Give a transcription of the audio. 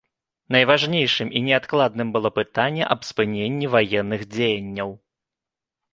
Найважнейшым і неадкладным было пытанне аб спыненні ваенных дзеянняў.